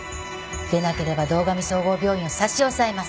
でなければ堂上総合病院を差し押さえます。